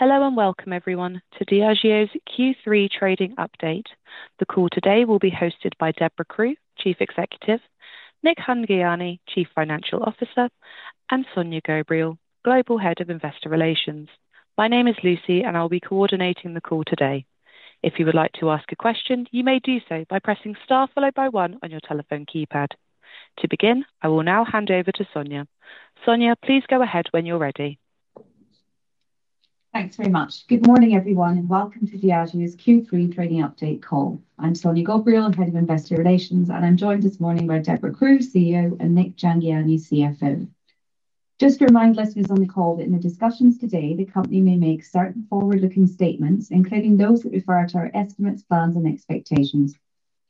Hello and welcome, everyone, to Diageo's Q3 Trading Update. The call today will be hosted by Debra Crew, Chief Executive; Nik Jhangiani, Chief Financial Officer; and Sonya Ghobrial, Global Head of Investor Relations. My name is Lucy, and I'll be coordinating the call today. If you would like to ask a question, you may do so by pressing star followed by one on your telephone keypad. To begin, I will now hand over to Sonya. Sonya, please go ahead when you're ready. Thanks very much. Good morning, everyone, and welcome to Diageo's Q3 Trading Update call. I'm Sonya Ghobrial, Head of Investor Relations, and I'm joined this morning by Debra Crew, CEO, and Nik Jhangiani, CFO. Just a reminder, listeners on the call, that in the discussions today, the company may make certain forward-looking statements, including those that refer to our estimates, plans, and expectations.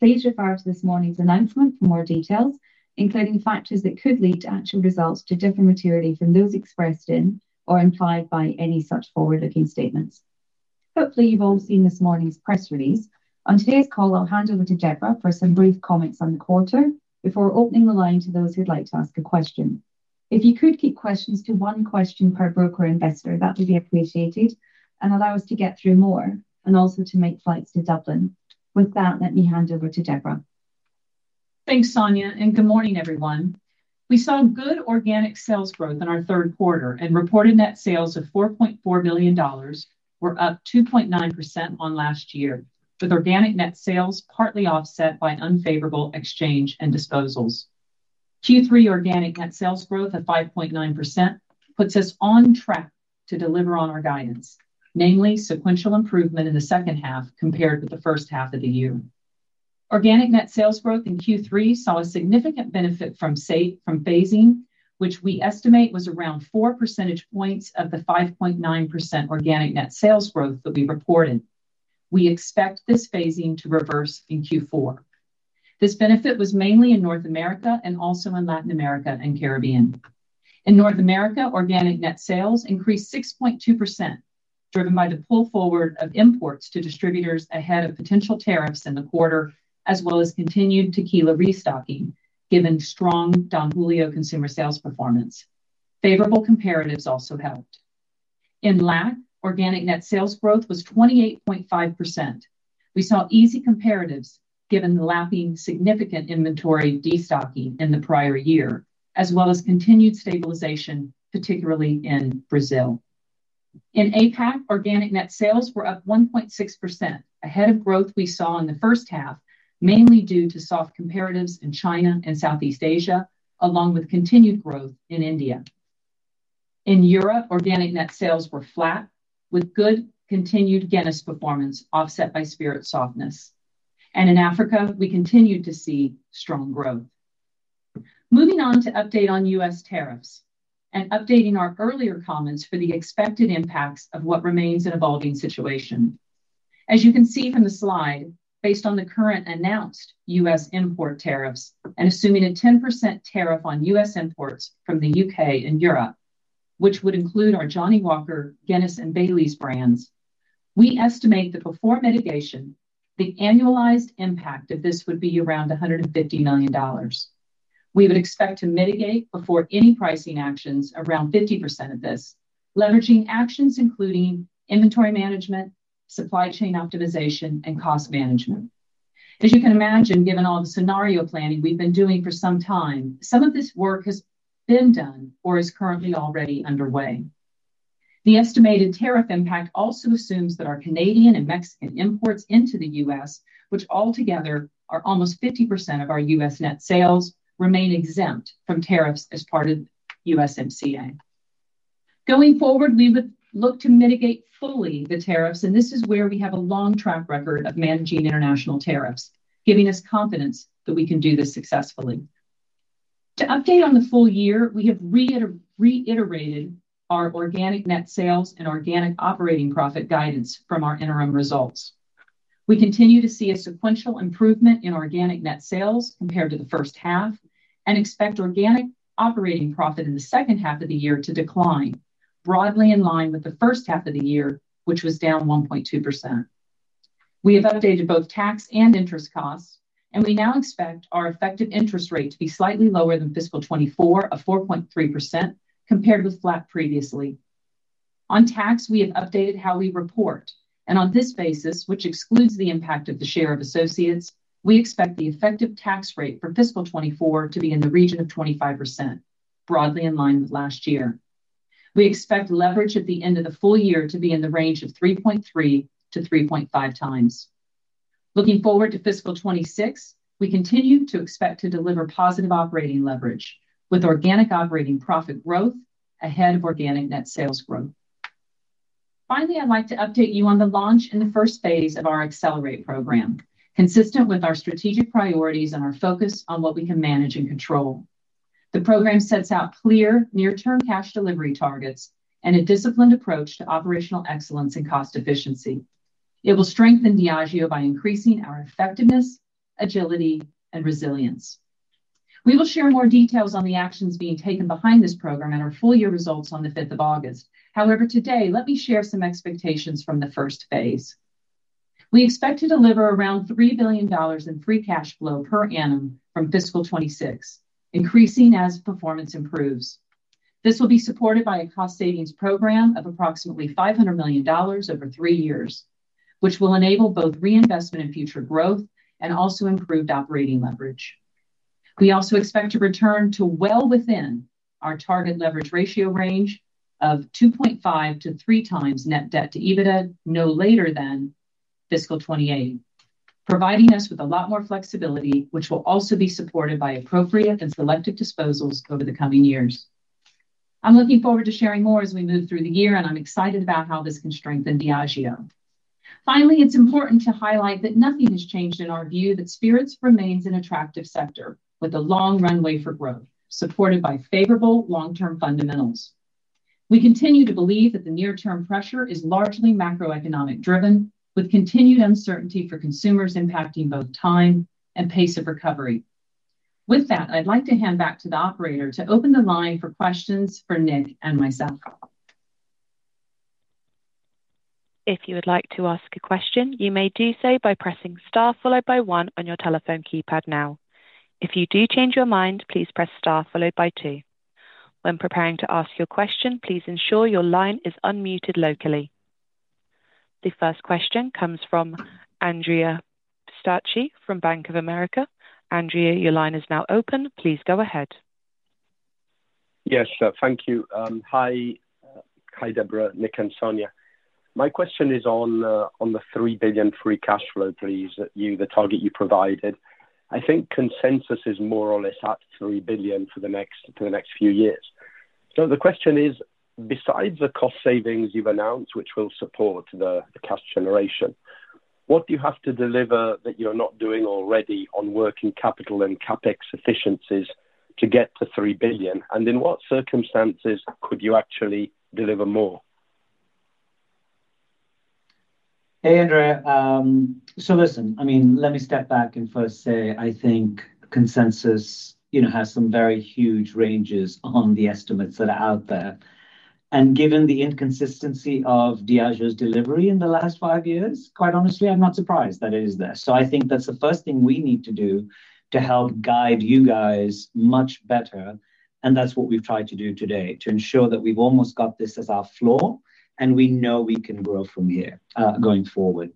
Please refer to this morning's announcement for more details, including factors that could lead to actual results to differ materially from those expressed in or implied by any such forward-looking statements. Hopefully, you've all seen this morning's press release. On today's call, I'll hand over to Debra for some brief comments on the quarter before opening the line to those who'd like to ask a question. If you could keep questions to one question per broker or investor, that would be appreciated and allow us to get through more and also to make flights to Dublin. With that, let me hand over to Debra. Thanks, Sonya, and good morning, everyone. We saw good organic sales growth in our third quarter, and reported net sales of $4.4 billion were up 2.9% on last year, with organic net sales partly offset by unfavorable exchange and disposals. Q3 organic net sales growth of 5.9% puts us on track to deliver on our guidance, namely sequential improvement in the second half compared with the first half of the year. Organic net sales growth in Q3 saw a significant benefit from phasing, which we estimate was around four percentage points of the 5.9% organic net sales growth that we reported. We expect this phasing to reverse in Q4. This benefit was mainly in North America and also in Latin America and the Caribbean. In North America, organic net sales increased 6.2%, driven by the pull forward of imports to distributors ahead of potential tariffs in the quarter, as well as continued tequila restocking, given strong Don Julio consumer sales performance. Favorable comparatives also helped. In Latin America and the Caribbean, organic net sales growth was 28.5%. We saw easy comparatives, given the lapping significant inventory destocking in the prior year, as well as continued stabilization, particularly in Brazil. In APAC, organic net sales were up 1.6% ahead of growth we saw in the first half, mainly due to soft comparatives in China and Southeast Asia, along with continued growth in India. In Europe, organic net sales were flat, with good continued Guinness performance offset by spirit softness. In Africa, we continued to see strong growth. Moving on to update on U.S. tariffs and updating our earlier comments for the expected impacts of what remains an evolving situation. As you can see from the slide, based on the current announced U.S. import tariffs and assuming a 10% tariff on U.S. imports from the U.K. and Europe, which would include our Johnnie Walker, Guinness, and Bailey's brands, we estimate that before mitigation, the annualized impact of this would be around $150 million. We would expect to mitigate before any pricing actions around 50% of this, leveraging actions including inventory management, supply chain optimization, and cost management. As you can imagine, given all the scenario planning we've been doing for some time, some of this work has been done or is currently already underway. The estimated tariff impact also assumes that our Canadian and Mexican imports into the U.S., which altogether are almost 50% of our U.S. Net sales remain exempt from tariffs as part of USMCA. Going forward, we would look to mitigate fully the tariffs, and this is where we have a long track record of managing international tariffs, giving us confidence that we can do this successfully. To update on the full year, we have reiterated our organic net sales and organic operating profit guidance from our interim results. We continue to see a sequential improvement in organic net sales compared to the first half and expect organic operating profit in the second half of the year to decline, broadly in line with the first half of the year, which was down 1.2%. We have updated both tax and interest costs, and we now expect our effective interest rate to be slightly lower than fiscal 2024 of 4.3% compared with flat previously. On tax, we have updated how we report, and on this basis, which excludes the impact of the share of associates, we expect the effective tax rate for fiscal 2024 to be in the region of 25%, broadly in line with last year. We expect leverage at the end of the full year to be in the range of 3.3x-3.5x. Looking forward to fiscal 2026, we continue to expect to deliver positive operating leverage with organic operating profit growth ahead of organic net sales growth. Finally, I'd like to update you on the launch in the first phase of our Accelerate program, consistent with our strategic priorities and our focus on what we can manage and control. The program sets out clear near-term cash delivery targets and a disciplined approach to operational excellence and cost efficiency. It will strengthen Diageo by increasing our effectiveness, agility, and resilience. We will share more details on the actions being taken behind this program and our full year results on the 5th of August. However, today, let me share some expectations from the first phase. We expect to deliver around $3 billion in free cash flow per annum from fiscal 2026, increasing as performance improves. This will be supported by a cost savings program of approximately $500 million over 3 years, which will enable both reinvestment and future growth and also improved operating leverage. We also expect to return to well within our target leverage ratio range of 2.5x-3x net debt to EBITDA, no later than fiscal 2028, providing us with a lot more flexibility, which will also be supported by appropriate and selective disposals over the coming years. I'm looking forward to sharing more as we move through the year, and I'm excited about how this can strengthen Diageo. Finally, it's important to highlight that nothing has changed in our view that spirits remains an attractive sector with a long runway for growth, supported by favorable long-term fundamentals. We continue to believe that the near-term pressure is largely macroeconomic driven, with continued uncertainty for consumers impacting both time and pace of recovery. With that, I'd like to hand back to the operator to open the line for questions for Nik and myself. If you would like to ask a question, you may do so by pressing star followed by one on your telephone keypad now. If you do change your mind, please press star followed by two. When preparing to ask your question, please ensure your line is unmuted locally. The first question comes from Andrea Pistacchi from Bank of America. Andrea, your line is now open. Please go ahead. Yes, thank you. Hi, Debra, Nik, and Sonya. My question is on the $3 billion free cash flow, please, the target you provided. I think consensus is more or less at $3 billion for the next few years. The question is, besides the cost savings you've announced, which will support the cash generation, what do you have to deliver that you're not doing already on working capital and CapEx efficiencies to get to $3 billion? In what circumstances could you actually deliver more? Hey, Andrea. Listen, I mean, let me step back and first say, I think consensus has some very huge ranges on the estimates that are out there. Given the inconsistency of Diageo's delivery in the last five years, quite honestly, I'm not surprised that it is there. I think that's the first thing we need to do to help guide you guys much better, and that's what we've tried to do today to ensure that we've almost got this as our floor, and we know we can grow from here going forward.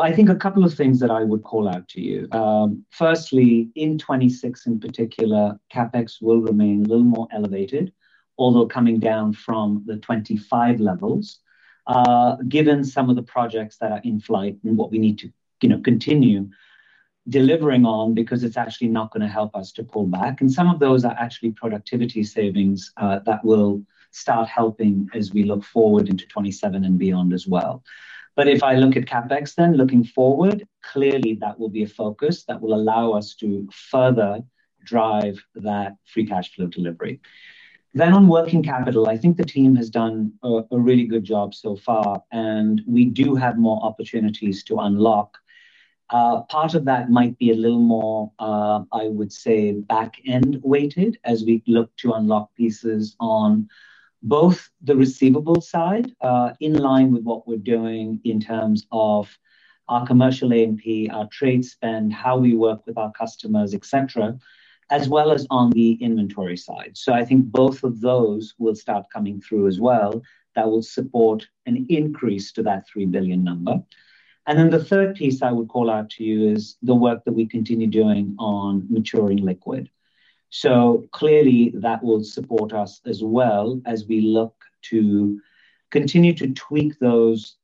I think a couple of things that I would call out to you. Firstly, in 2026 in particular, CapEx will remain a little more elevated, although coming down from the 2025 levels, given some of the projects that are in flight and what we need to continue delivering on because it's actually not going to help us to pull back. Some of those are actually productivity savings that will start helping as we look forward into 2027 and beyond as well. If I look at CapEx then, looking forward, clearly that will be a focus that will allow us to further drive that free cash flow delivery. On working capital, I think the team has done a really good job so far, and we do have more opportunities to unlock. Part of that might be a little more, I would say, back-end weighted as we look to unlock pieces on both the receivable side, in line with what we're doing in terms of our commercial A&P, our trade spend, how we work with our customers, etc., as well as on the inventory side. I think both of those will start coming through as well. That will support an increase to that $3 billion number. The third piece I would call out to you is the work that we continue doing on maturing liquid. Clearly, that will support us as well as we look to continue to tweak those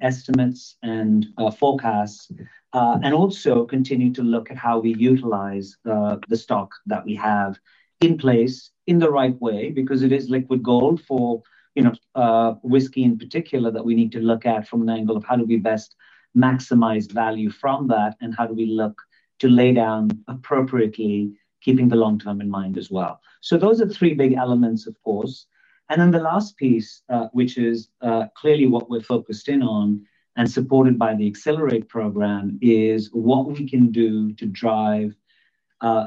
estimates and forecasts and also continue to look at how we utilize the stock that we have in place in the right way because it is liquid gold for whiskey in particular that we need to look at from an angle of how do we best maximize value from that and how do we look to lay down appropriately, keeping the long term in mind as well. Those are three big elements, of course. The last piece, which is clearly what we're focused in on and supported by the Accelerate program, is what we can do to drive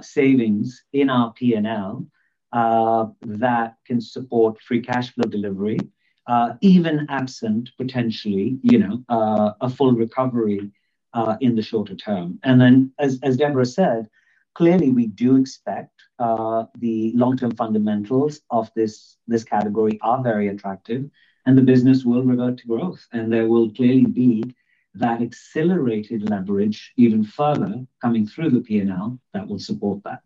savings in our P&L that can support free cash flow delivery, even absent potentially a full recovery in the shorter term. As Debra said, clearly, we do expect the long-term fundamentals of this category are very attractive, and the business will revert to growth, and there will clearly be that accelerated leverage even further coming through the P&L that will support that.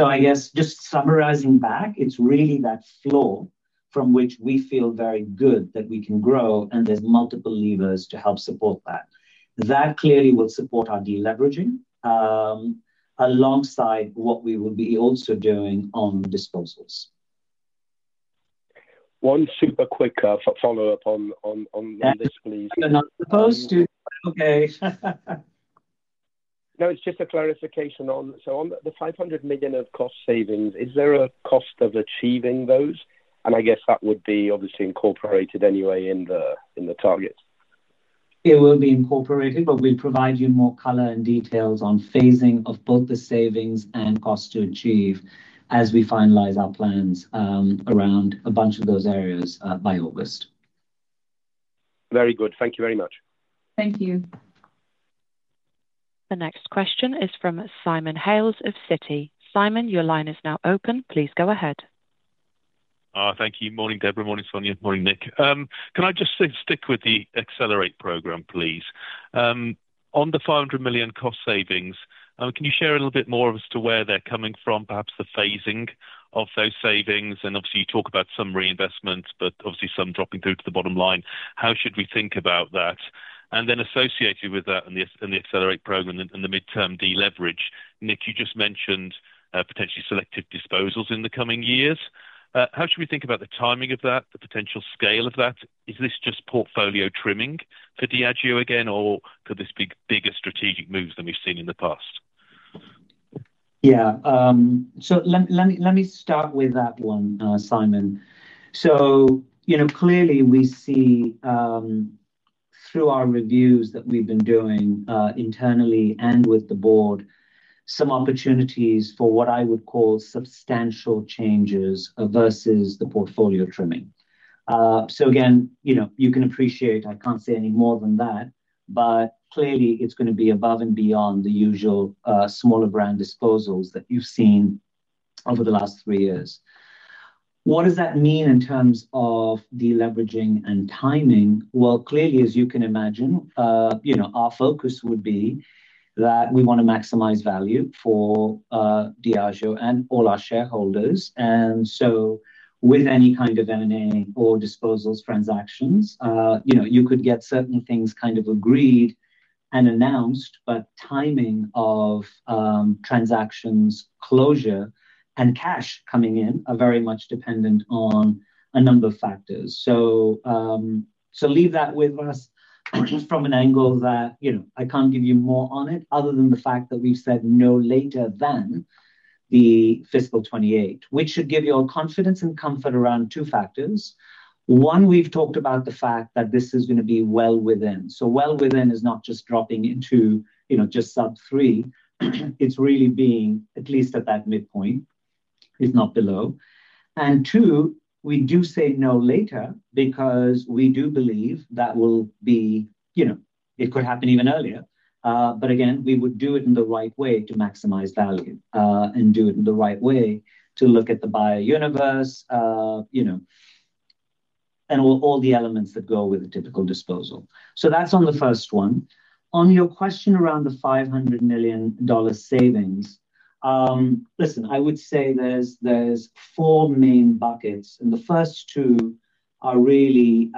I guess just summarizing back, it's really that floor from which we feel very good that we can grow, and there's multiple levers to help support that. That clearly will support our deleveraging alongside what we will be also doing on disposals. One super quick follow up on this, please. I'm supposed to, okay. No, it's just a clarification on the $500 million of cost savings. Is there a cost of achieving those? I guess that would be obviously incorporated anyway in the target? It will be incorporated, but we'll provide you more color and details on phasing of both the savings and cost to achieve as we finalize our plans around a bunch of those areas by August. Very good. Thank you very much. Thank you. The next question is from Simon Hales of Citi. Simon, your line is now open. Please go ahead. Thank you. Morning, Debra. Morning, Sonya. Morning, Nik. Can I just stick with the Accelerate program, please? On the $500 million cost savings, can you share a little bit more as to where they're coming from, perhaps the phasing of those savings? You talk about some reinvestment, but obviously some dropping through to the bottom line. How should we think about that? Then associated with that and the Accelerate program and the midterm deleverage, Nik, you just mentioned potentially selective disposals in the coming years. How should we think about the timing of that, the potential scale of that? Is this just portfolio trimming for Diageo again, or could this be bigger strategic moves than we've seen in the past? Yeah. Let me start with that one, Simon. Clearly, we see through our reviews that we have been doing internally and with the board some opportunities for what I would call substantial changes versus the portfolio trimming. Again, you can appreciate I cannot say any more than that, but clearly, it is going to be above and beyond the usual smaller brand disposals that you have seen over the last three years. What does that mean in terms of deleveraging and timing? Clearly, as you can imagine, our focus would be that we want to maximize value for Diageo and all our shareholders. With any kind of M&A or disposals transactions, you could get certain things kind of agreed and announced, but timing of transactions, closure, and cash coming in are very much dependent on a number of factors. Leave that with us from an angle that I cannot give you more on it other than the fact that we have said no later than fiscal 2028, which should give you all confidence and comfort around two factors. One, we have talked about the fact that this is going to be well within. So well within is not just dropping into just sub-three. It is really being at least at that midpoint, if not below. Two, we do say no later because we do believe that it could happen even earlier. Again, we would do it in the right way to maximize value and do it in the right way to look at the buyer universe and all the elements that go with a typical disposal. That is on the first one. On your question around the $500 million savings, listen, I would say there are four main buckets, and the first two are really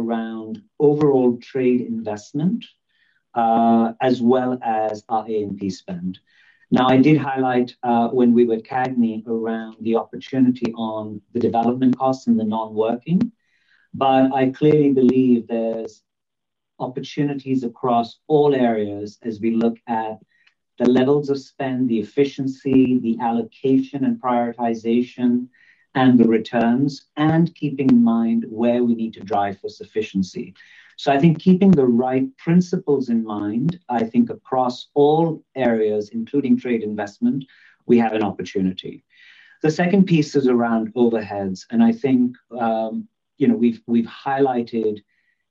around overall trade investment as well as our A&P spend. Now, I did highlight when we were at CADNI around the opportunity on the development costs and the non-working, but I clearly believe there are opportunities across all areas as we look at the levels of spend, the efficiency, the allocation and prioritization, and the returns, and keeping in mind where we need to drive for sufficiency. I think keeping the right principles in mind, I think across all areas, including trade investment, we have an opportunity. The second piece is around overheads, and I think we've highlighted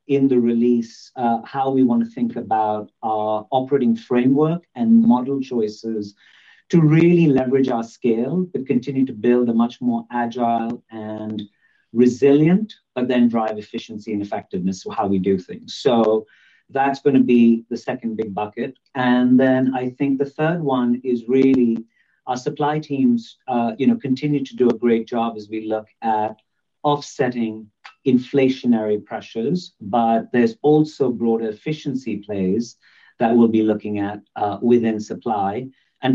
in the release how we want to think about our operating framework and model choices to really leverage our scale, but continue to build a much more agile and resilient, but then drive efficiency and effectiveness for how we do things. That is going to be the second big bucket. I think the third one is really our supply teams continue to do a great job as we look at offsetting inflationary pressures, but there are also broader efficiency plays that we'll be looking at within supply.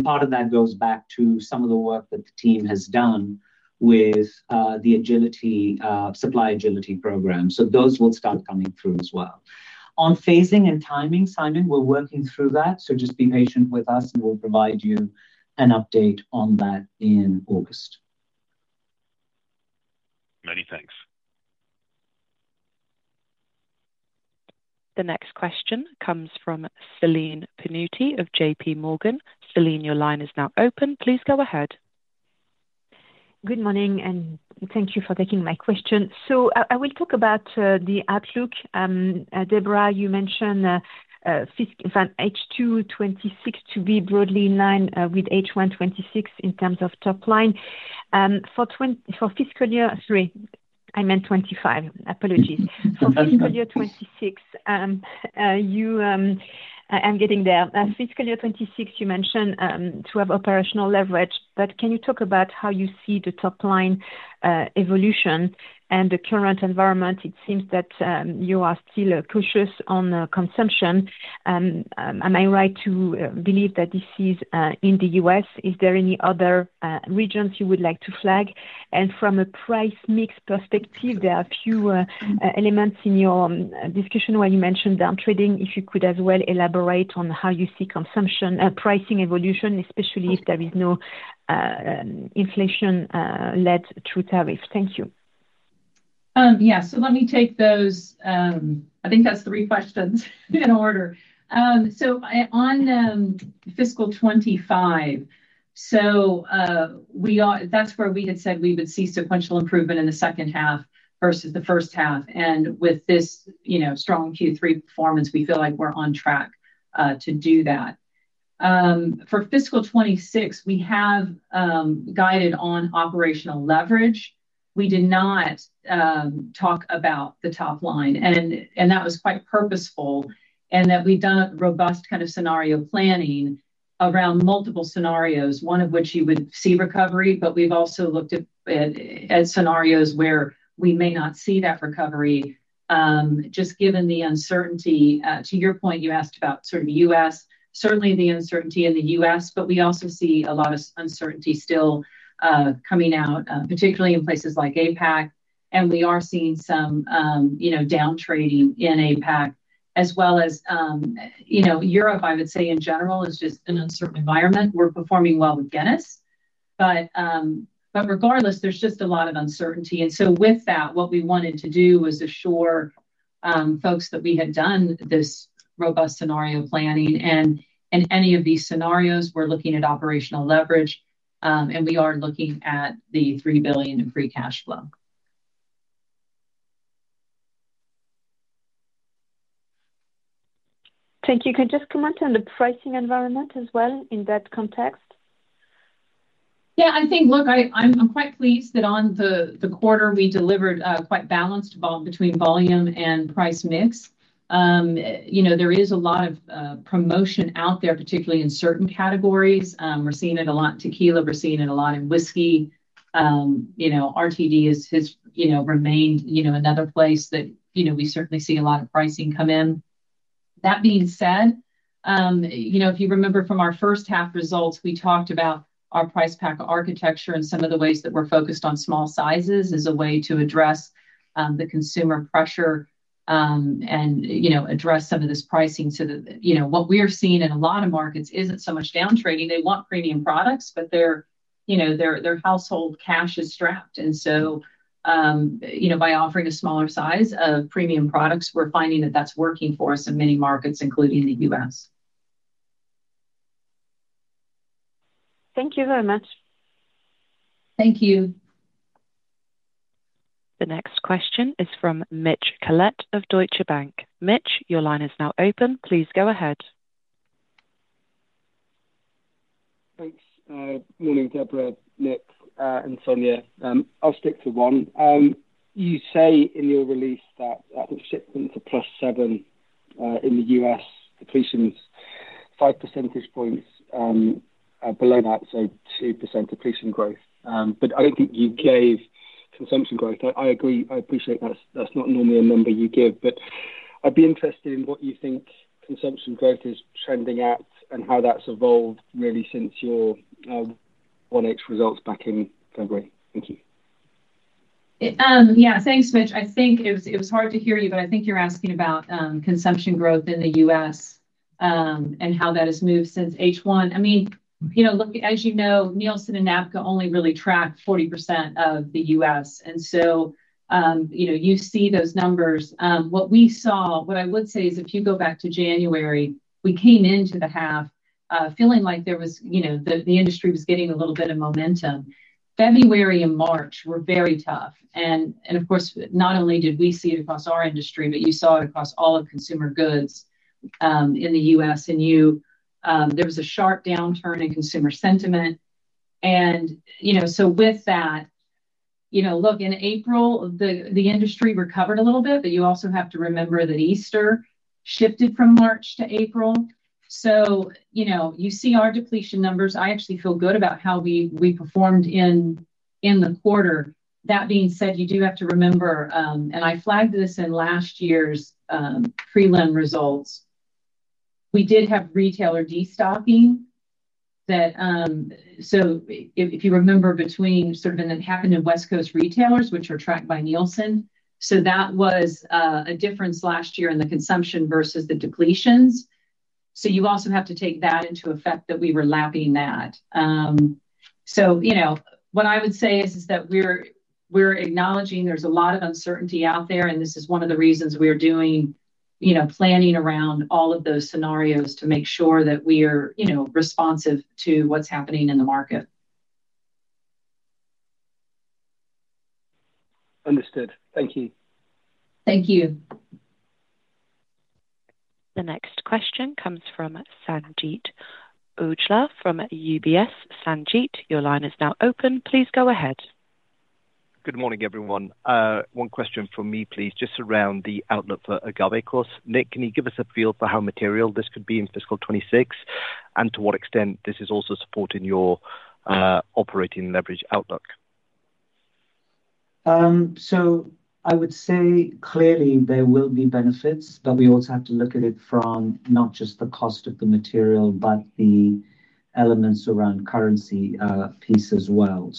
Part of that goes back to some of the work that the team has done with the supply agility program. Those will start coming through as well. On phasing and timing, Simon, we're working through that, so just be patient with us, and we'll provide you an update on that in August. Many thanks. The next question comes from Celine Pannuti of JPMorgan. Celine, your line is now open. Please go ahead. Good morning, and thank you for taking my question. I will talk about the outlook. Debra, you mentioned H2 2026 to be broadly in line with H1 2026 in terms of top line. For fiscal year—sorry, I meant 2025. Apologies. For fiscal year 2026, I am getting there. Fiscal year 2026, you mentioned to have operational leverage, but can you talk about how you see the top line evolution and the current environment? It seems that you are still cautious on consumption. Am I right to believe that this is in the U.S.? Is there any other regions you would like to flag? From a price mix perspective, there are a few elements in your discussion where you mentioned downtrading. If you could as well elaborate on how you see pricing evolution, especially if there is no inflation-led true tariffs. Thank you. Yeah. Let me take those—I think that's three questions in order. On fiscal 2025, that's where we had said we would see sequential improvement in the second half versus the first half. With this strong Q3 performance, we feel like we're on track to do that. For fiscal 2026, we have guided on operational leverage. We did not talk about the top line, and that was quite purposeful, in that we've done a robust kind of scenario planning around multiple scenarios, one of which you would see recovery, but we've also looked at scenarios where we may not see that recovery just given the uncertainty. To your point, you asked about sort of U.S., certainly the uncertainty in the U.S., but we also see a lot of uncertainty still coming out, particularly in places like APAC, and we are seeing some downtrading in APAC, as well as Europe, I would say, in general, is just an uncertain environment. We're performing well with Guinness, but regardless, there's just a lot of uncertainty. With that, what we wanted to do was assure folks that we had done this robust scenario planning, and in any of these scenarios, we're looking at operational leverage, and we are looking at the $3 billion in free cash flow. Thank you. Could you just comment on the pricing environment as well in that context? Yeah. I think, look, I'm quite pleased that on the quarter, we delivered quite balanced between volume and price mix. There is a lot of promotion out there, particularly in certain categories. We're seeing it a lot in tequila. We're seeing it a lot in whiskey. RTD has remained another place that we certainly see a lot of pricing come in. That being said, if you remember from our first half results, we talked about our price pack architecture and some of the ways that we're focused on small sizes as a way to address the consumer pressure and address some of this pricing so that what we are seeing in a lot of markets isn't so much downtrading. They want premium products, but their household cash is strapped. By offering a smaller size of premium products, we're finding that that's working for us in many markets, including the U.S. Thank you very much. Thank you. The next question is from Mitch Collett of Deutsche Bank. Mitch, your line is now open. Please go ahead. Thanks. Morning, Debra, Nik, and Sonya. I'll stick to one. You say in your release that shipments are plus seven in the U.S., depletions five percentage points below that, so 2% depletion growth. I do not think you gave consumption growth. I agree. I appreciate that is not normally a number you give, but I would be interested in what you think consumption growth is trending at and how that has evolved really since your first half results back in February. Thank you. Yeah. Thanks, Mitch. I think it was hard to hear you, but I think you're asking about consumption growth in the U.S. and how that has moved since H1. I mean, as you know, Nielsen and NABCA only really track 40% of the U.S. And you see those numbers. What we saw, what I would say is if you go back to January, we came into the half feeling like there was the industry was getting a little bit of momentum. February and March were very tough. Of course, not only did we see it across our industry, but you saw it across all of consumer goods in the U.S. There was a sharp downturn in consumer sentiment. With that, look, in April, the industry recovered a little bit, but you also have to remember that Easter shifted from March to April. You see our depletion numbers. I actually feel good about how we performed in the quarter. That being said, you do have to remember, and I flagged this in last year's prelim results, we did have retailer destocking. If you remember, it happened in West Coast retailers, which are tracked by Nielsen. That was a difference last year in the consumption versus the depletions. You also have to take that into effect that we were lapping that. What I would say is that we're acknowledging there's a lot of uncertainty out there, and this is one of the reasons we're doing planning around all of those scenarios to make sure that we are responsive to what's happening in the market. Understood. Thank you. Thank you. The next question comes from Sanjeet Aujla from UBS. Sanjeet, your line is now open. Please go ahead. Good morning, everyone. One question from me, please, just around the outlook for agave costs. Nik, can you give us a feel for how material this could be in fiscal 2026 and to what extent this is also supporting your operating leverage outlook? I would say clearly there will be benefits, but we also have to look at it from not just the cost of the material, but the elements around the currency piece as well.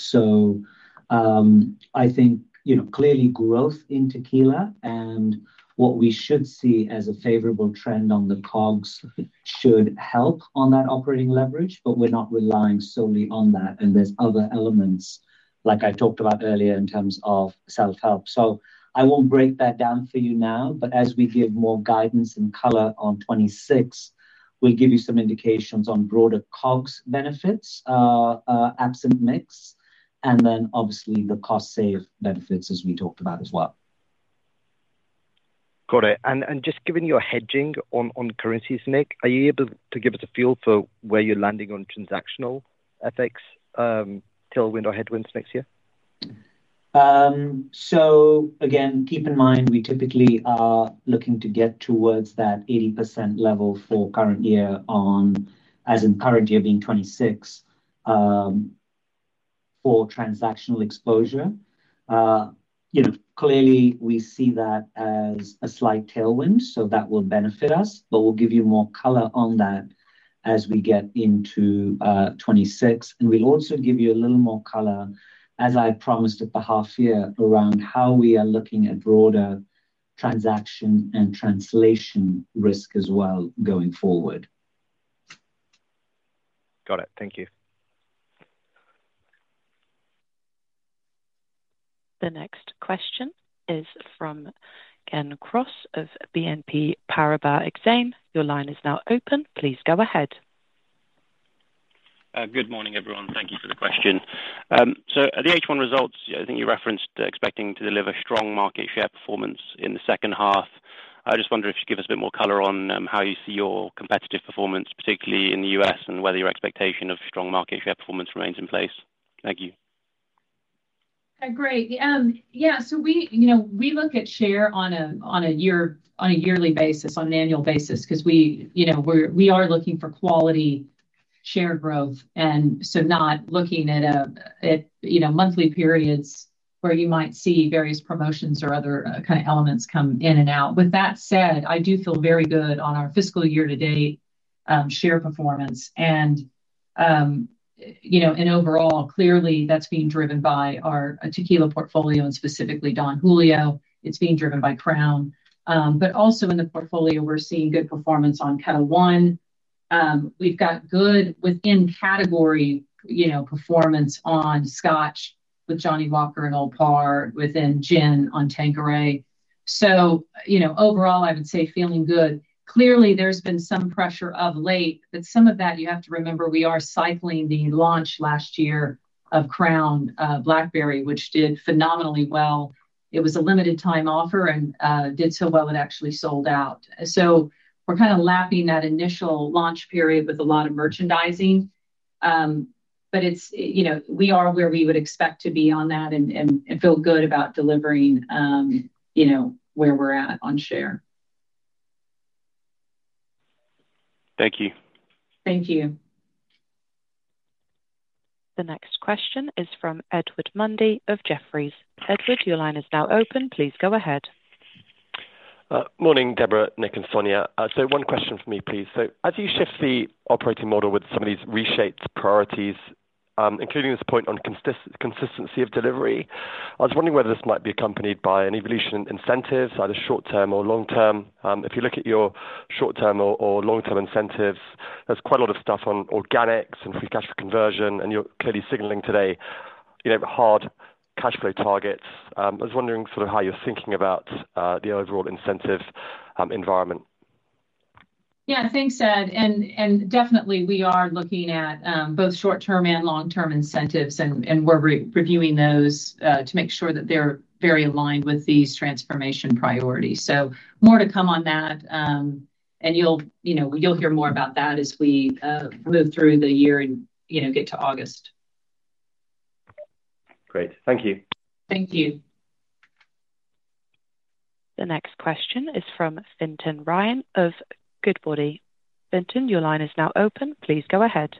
I think clearly growth in tequila and what we should see as a favorable trend on the COGS should help on that operating leverage, but we're not relying solely on that. There are other elements, like I talked about earlier, in terms of self-help. I won't break that down for you now, but as we give more guidance and color on 2026, we'll give you some indications on broader COGS benefits, absent mix, and then obviously the cost-save benefits as we talked about as well. Got it. Just given your hedging on currencies, Nik, are you able to give us a feel for where you're landing on transactional effects, tailwind or headwinds next year? Again, keep in mind we typically are looking to get towards that 80% level for current year on, as in current year being 2026, for transactional exposure. Clearly, we see that as a slight tailwind, so that will benefit us, but we will give you more color on that as we get into 2026. We will also give you a little more color, as I promised at the half year, around how we are looking at broader transaction and translation risk as well going forward. Got it. Thank you. The next question is from Gen Cross of BNP Paribas. Your line is now open. Please go ahead. Good morning, everyone. Thank you for the question. The H1 results, I think you referenced expecting to deliver strong market share performance in the second half. I just wonder if you could give us a bit more color on how you see your competitive performance, particularly in the U.S., and whether your expectation of strong market share performance remains in place. Thank you. Great. Yeah. We look at share on a yearly basis, on an annual basis, because we are looking for quality share growth, and not looking at monthly periods where you might see various promotions or other kind of elements come in and out. With that said, I do feel very good on our fiscal year-to-date share performance. Overall, clearly, that's being driven by our tequila portfolio and specifically Don Julio. It's being driven by Crown. Also in the portfolio, we're seeing good performance on Kettle One. We've got good within-category performance on Scotch with Johnnie Walker and Old Par, within gin on Tanqueray. Overall, I would say feeling good. Clearly, there's been some pressure of late, but some of that, you have to remember, we are cycling the launch last year of Crown Royal Blackberry, which did phenomenally well. It was a limited-time offer and did so well it actually sold out. We are kind of lapping that initial launch period with a lot of merchandising, but we are where we would expect to be on that and feel good about delivering where we are at on share. Thank you. Thank you. The next question is from Edward Mundy of Jefferies. Edward, your line is now open. Please go ahead. Morning, Debra, Nik, and Sonya. One question for me, please. As you shift the operating model with some of these reshaped priorities, including this point on consistency of delivery, I was wondering whether this might be accompanied by an evolution in incentives, either short-term or long-term. If you look at your short-term or long-term incentives, there is quite a lot of stuff on organics and free cash flow conversion, and you are clearly signaling today hard cash flow targets. I was wondering sort of how you are thinking about the overall incentive environment? Yeah. Thanks, Ed. We are looking at both short-term and long-term incentives, and we're reviewing those to make sure that they're very aligned with these transformation priorities. More to come on that, and you'll hear more about that as we move through the year and get to August. Great. Thank you. Thank you. The next question is from Fintan Ryan of Goodbody. Fintan, your line is now open. Please go ahead.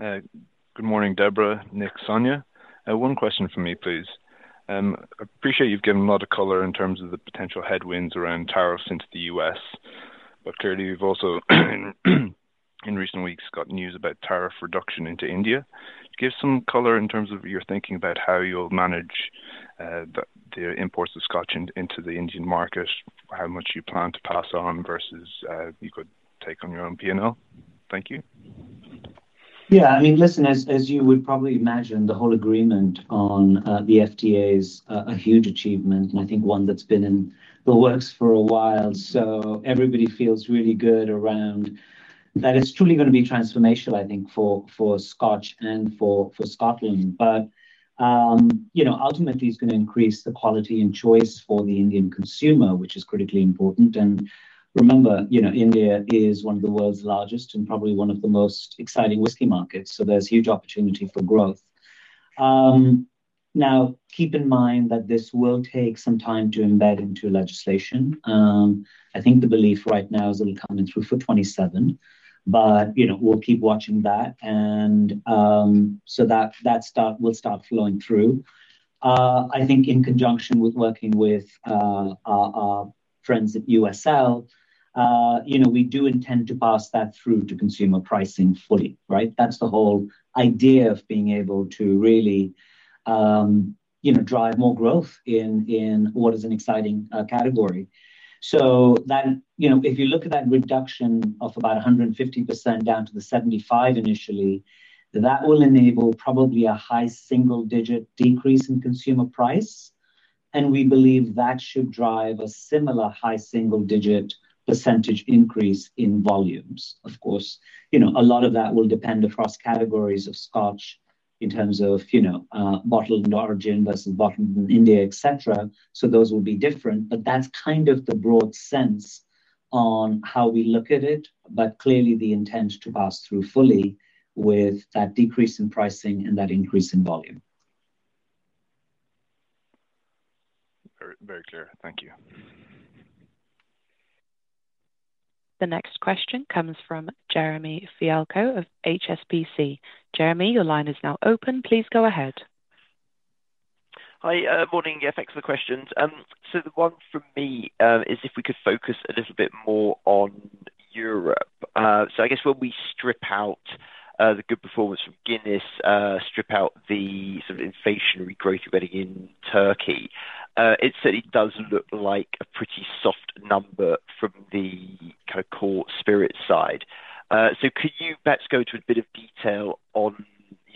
Good morning, Debra, Nik, Sonya. One question for me, please. I appreciate you've given a lot of color in terms of the potential headwinds around tariffs into the US, but clearly, we've also in recent weeks gotten news about tariff reduction into India. Give some color in terms of your thinking about how you'll manage the imports of Scotch into the Indian market, how much you plan to pass on versus you could take on your own P&L. Thank you. Yeah. I mean, listen, as you would probably imagine, the whole agreement on the FTA is a huge achievement, and I think one that's been in the works for a while. Everybody feels really good around that. It's truly going to be transformational, I think, for Scotch and for Scotland, but ultimately, it's going to increase the quality and choice for the Indian consumer, which is critically important. Remember, India is one of the world's largest and probably one of the most exciting whiskey markets, so there's huge opportunity for growth. Now, keep in mind that this will take some time to embed into legislation. I think the belief right now is it'll come in through for 2027, but we'll keep watching that. That will start flowing through. I think in conjunction with working with our friends at USL, we do intend to pass that through to consumer pricing fully, right? That is the whole idea of being able to really drive more growth in what is an exciting category. If you look at that reduction of about 150% down to the 75 initially, that will enable probably a high single-digit decrease in consumer price, and we believe that should drive a similar high single-digit % increase in volumes. Of course, a lot of that will depend across categories of Scotch in terms of bottled in the origin versus bottled in India, etc. Those will be different, but that is kind of the broad sense on how we look at it, but clearly the intent to pass through fully with that decrease in pricing and that increase in volume. Very clear. Thank you. The next question comes from Jeremy Fialko of HSBC. Jeremy, your line is now open. Please go ahead. Hi. Morning, thanks for questions. So the one for me is if we could focus a little bit more on Europe. I guess when we strip out the good performance from Guinness, strip out the sort of inflationary growth you're getting in Turkey, it certainly does look like a pretty soft number from the kind of core spirit side. Could you perhaps go to a bit of detail on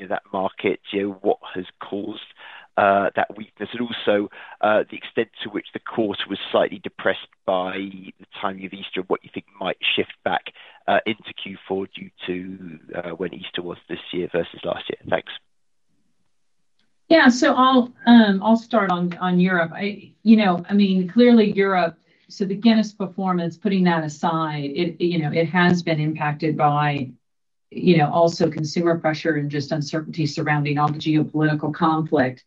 that market, what has caused that weakness, and also the extent to which the course was slightly depressed by the timing of Easter, what you think might shift back into Q4 due to when Easter was this year versus last year? Thanks. Yeah. I'll start on Europe. I mean, clearly, Europe, the Guinness performance, putting that aside, it has been impacted by also consumer pressure and just uncertainty surrounding all the geopolitical conflict.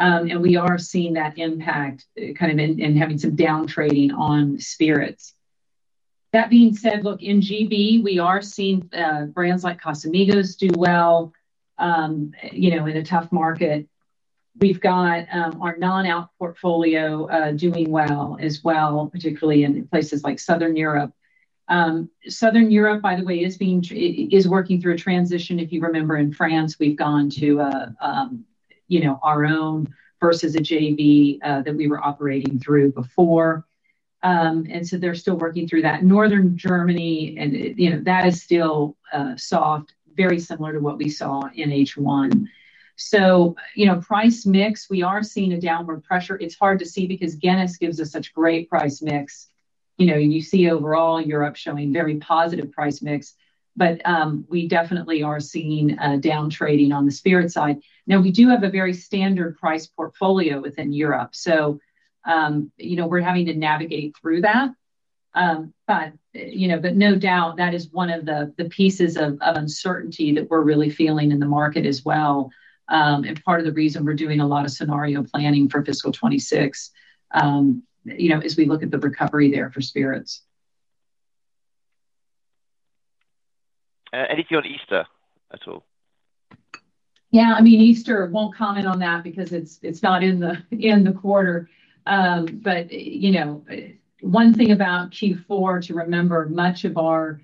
We are seeing that impact kind of in having some downtrading on spirits. That being said, look, in GB, we are seeing brands like Casamigos do well in a tough market. We've got our non-alc portfolio doing well as well, particularly in places like Southern Europe. Southern Europe, by the way, is working through a transition. If you remember, in France, we've gone to our own versus a JV that we were operating through before. They're still working through that. Northern Germany, that is still soft, very similar to what we saw in H1. Price mix, we are seeing a downward pressure. It's hard to see because Guinness gives us such great price mix. You see overall Europe showing very positive price mix, but we definitely are seeing downtrading on the spirit side. Now, we do have a very standard price portfolio within Europe, so we're having to navigate through that. No doubt, that is one of the pieces of uncertainty that we're really feeling in the market as well. Part of the reason we're doing a lot of scenario planning for fiscal 2026 is we look at the recovery there for spirits. Anything on Easter at all? Yeah. I mean, Easter, won't comment on that because it's not in the quarter. One thing about Q4 to remember, much of our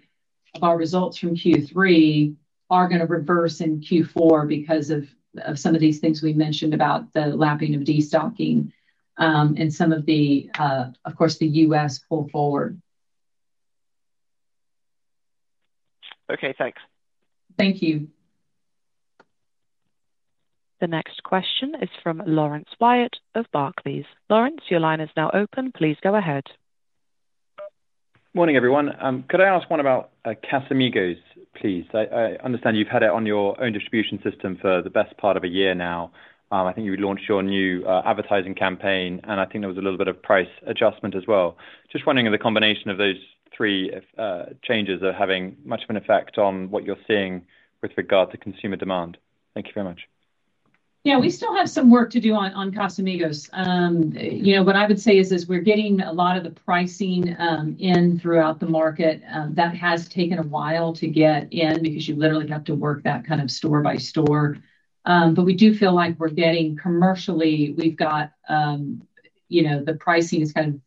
results from Q3 are going to reverse in Q4 because of some of these things we mentioned about the lapping of destocking and some of the, of course, the U.S. pull forward. Okay. Thanks. Thank you. The next question is from Lawrence [Wyatt] of Barclays. Lawrence, your line is now open. Please go ahead. Morning, everyone. Could I ask one about Casamigos, please? I understand you've had it on your own distribution system for the best part of a year now. I think you launched your new advertising campaign, and I think there was a little bit of price adjustment as well. Just wondering if the combination of those three changes are having much of an effect on what you're seeing with regard to consumer demand. Thank you very much. Yeah. We still have some work to do on Casamigos. What I would say is we're getting a lot of the pricing in throughout the market. That has taken a while to get in because you literally have to work that kind of store by store. We do feel like commercially, we've got the pricing is kind of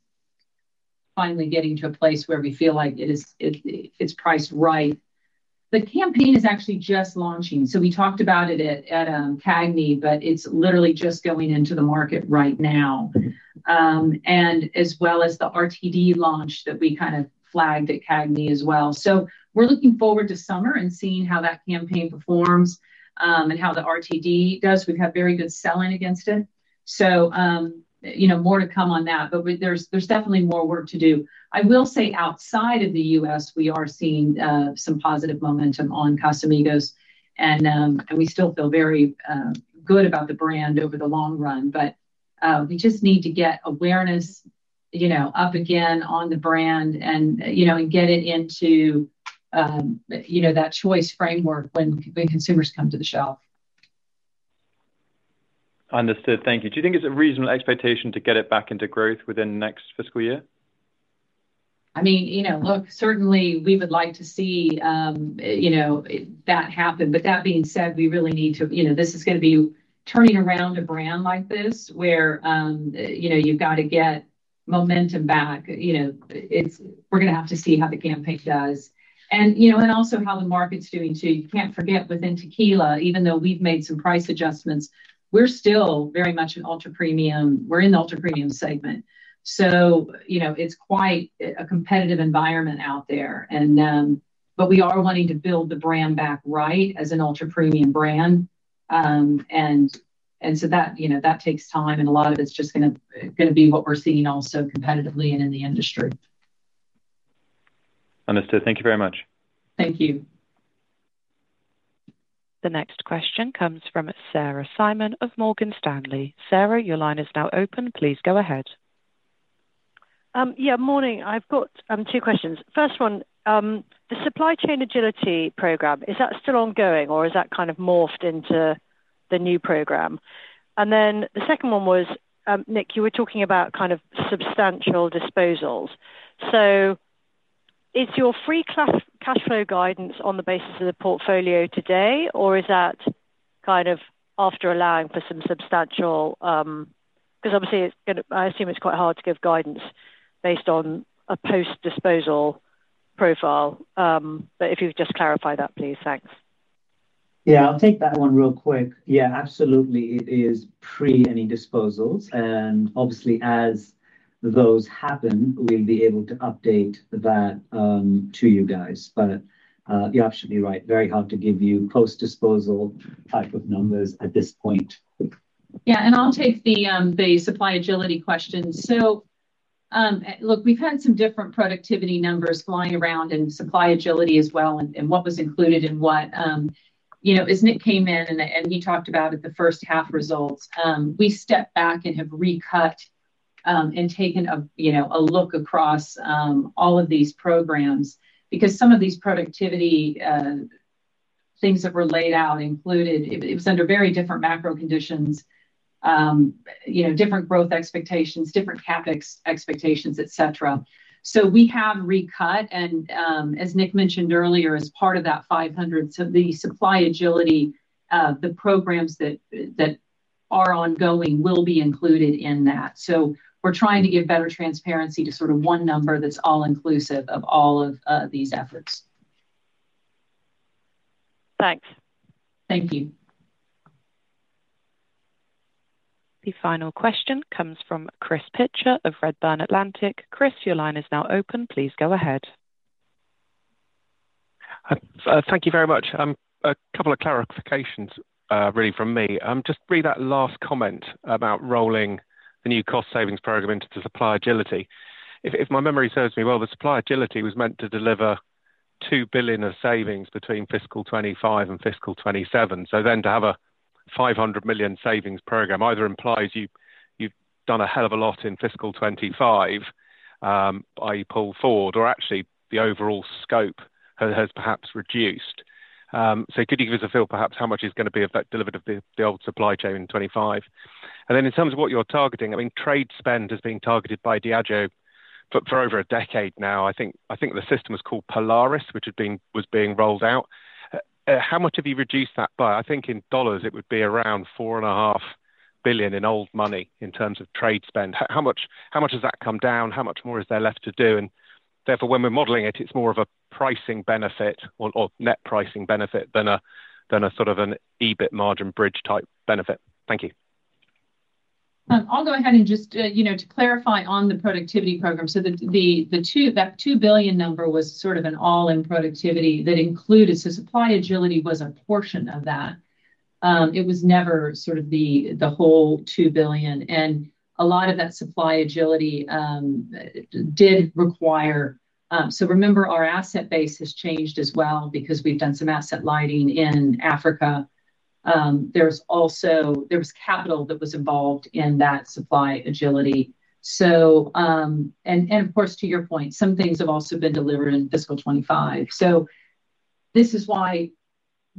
finally getting to a place where we feel like it's priced right. The campaign is actually just launching. We talked about it at CAGMI, but it's literally just going into the market right now, as well as the RTD launch that we kind of flagged at CAGMI as well. We are looking forward to summer and seeing how that campaign performs and how the RTD does. We've had very good selling against it. More to come on that, but there's definitely more work to do. I will say outside of the U.S., we are seeing some positive momentum on Casamigos, and we still feel very good about the brand over the long run. We just need to get awareness up again on the brand and get it into that choice framework when consumers come to the shelf. Understood. Thank you. Do you think it's a reasonable expectation to get it back into growth within the next fiscal year? I mean, look, certainly, we would like to see that happen. That being said, we really need to—this is going to be turning around a brand like this where you've got to get momentum back. We're going to have to see how the campaign does and also how the market's doing too. You can't forget within tequila, even though we've made some price adjustments, we're still very much in ultra-premium. We're in the ultra-premium segment. It is quite a competitive environment out there. We are wanting to build the brand back right as an ultra-premium brand. That takes time, and a lot of it is just going to be what we're seeing also competitively and in the industry. Understood. Thank you very much. Thank you. The next question comes from Sarah Simon of Morgan Stanley. Sarah, your line is now open. Please go ahead. Yeah. Morning. I've got two questions. First one, the supply chain agility program, is that still ongoing, or is that kind of morphed into the new program? The second one was, Nik, you were talking about kind of substantial disposals. Is your free cash flow guidance on the basis of the portfolio today, or is that after allowing for some substantial? Because obviously, I assume it's quite hard to give guidance based on a post-disposal profile. If you could just clarify that, please. Thanks. Yeah. I'll take that one real quick. Yeah. Absolutely. It is pre any disposals. Obviously, as those happen, we'll be able to update that to you guys. You're absolutely right. Very hard to give you post-disposal type of numbers at this point. Yeah. I'll take the supply agility question. Look, we've had some different productivity numbers flying around and supply agility as well and what was included in what. As Nik came in and he talked about the first half results, we stepped back and have recut and taken a look across all of these programs because some of these productivity things that were laid out included it was under very different macro conditions, different growth expectations, different CapEx expectations, etc. We have recut. As Nik mentioned earlier, as part of that $500 million, the supply agility, the programs that are ongoing will be included in that. We're trying to give better transparency to sort of one number that's all-inclusive of all of these efforts. Thanks. Thank you. The final question comes from Chris Pitcher of Redburn Atlantic. Chris, your line is now open. Please go ahead. Thank you very much. A couple of clarifications, really, from me. Just on that last comment about rolling the new cost savings program into the supply agility. If my memory serves me well, the supply agility was meant to deliver $2 billion of savings between fiscal 2025 and fiscal 2027. To have a $500 million savings program either implies you've done a hell of a lot in fiscal 2025, i.e., pulled forward, or actually the overall scope has perhaps reduced. Could you give us a feel perhaps how much is going to be delivered of the old supply chain in 2025? In terms of what you're targeting, I mean, trade spend has been targeted by Diageo for over a decade now. I think the system is called Polaris, which was being rolled out. How much have you reduced that by? I think in dollars, it would be around $4.5 billion in old money in terms of trade spend. How much has that come down? How much more is there left to do? Therefore, when we are modeling it, it is more of a pricing benefit or net pricing benefit than a sort of an EBIT margin bridge type benefit? Thank you. I'll go ahead and just to clarify on the productivity program. That $2 billion number was sort of an all-in productivity that included, so supply agility was a portion of that. It was never sort of the whole $2 billion. A lot of that supply agility did require, so remember, our asset base has changed as well because we've done some asset lighting in Africa. There was capital that was involved in that supply agility. Of course, to your point, some things have also been delivered in fiscal 2025. This is why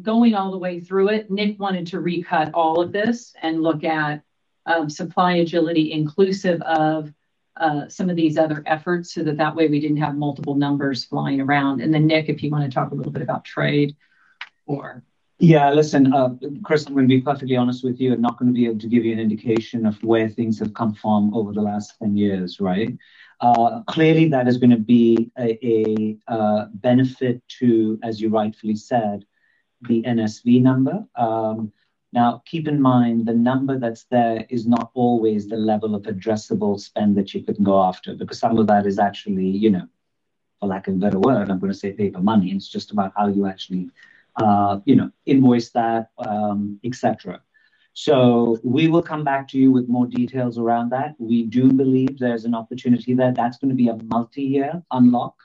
going all the way through it, Nik wanted to recut all of this and look at supply agility inclusive of some of these other efforts so that way we did not have multiple numbers flying around. Nik, if you want to talk a little bit about trade or. Yeah. Listen, Chris, I'm going to be perfectly honest with you and not going to be able to give you an indication of where things have come from over the last 10 years, right? Clearly, that is going to be a benefit to, as you rightfully said, the NSV number. Now, keep in mind, the number that's there is not always the level of addressable spend that you could go after because some of that is actually, for lack of a better word, I'm going to say paper money. It's just about how you actually invoice that, etc. So we will come back to you with more details around that. We do believe there's an opportunity there. That's going to be a multi-year unlock.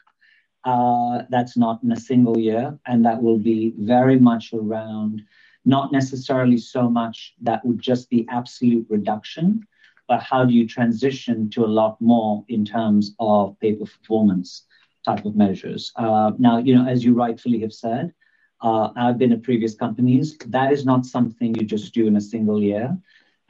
That's not in a single year. That will be very much around not necessarily so much that would just be absolute reduction, but how do you transition to a lot more in terms of pay for performance type of measures. Now, as you rightfully have said, I have been at previous companies. That is not something you just do in a single year.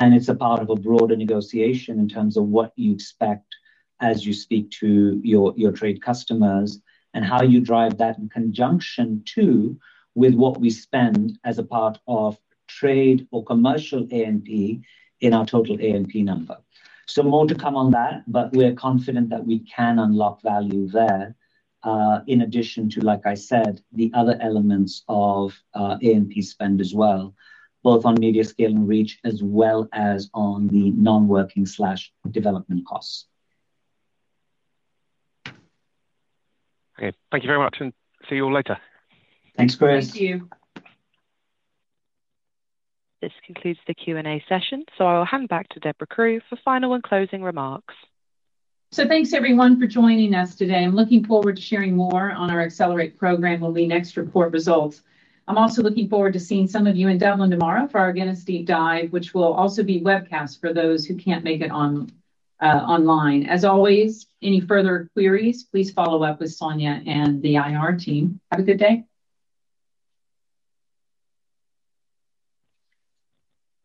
It is a part of a broader negotiation in terms of what you expect as you speak to your trade customers and how you drive that in conjunction too with what we spend as a part of trade or commercial A&P in our total A&P number. More to come on that, but we are confident that we can unlock value there in addition to, like I said, the other elements of A&P spend as well, both on media scale and reach as well as on the non-working/development costs. Okay. Thank you very much. See you all later. Thanks, Chris. Thank you. This concludes the Q&A session. I'll hand back to Debra Crew for final and closing remarks. Thanks, everyone, for joining us today. I'm looking forward to sharing more on our Accelerate program when we next report results. I'm also looking forward to seeing some of you in Dublin tomorrow for our Guinness Deep Dive, which will also be Webcast for those who can't make it online. As always, any further queries, please follow up with Sonya and the IR team. Have a good day.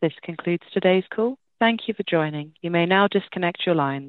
This concludes today's call. Thank you for joining. You may now disconnect your lines.